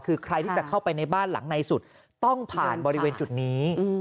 คือใครที่จะเข้าไปในบ้านหลังในสุดต้องผ่านบริเวณจุดนี้